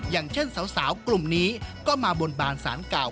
อย่างเช่นสาวกลุ่มนี้ก็มาบนบานสารเก่า